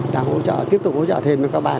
đã tiếp tục hỗ trợ thêm với các bạn